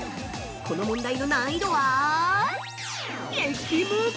この問題の難易度は激ムズ。